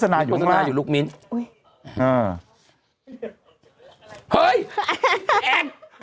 เป็นการกระตุ้นการไหลเวียนของเลือด